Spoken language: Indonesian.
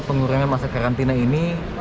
pengurangan masa karantina ini